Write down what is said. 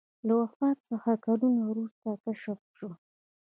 له وفات څخه کلونه وروسته کشف شو.